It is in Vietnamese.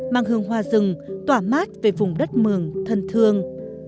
mang hương hoa rừng tỏa mát về vùng đất mường thân thương